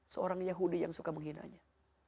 seorang yahudi yang suka menghinanya